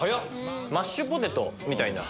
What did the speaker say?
マッシュポテトみたいな。